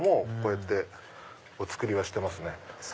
こうやってお作りはしてますね。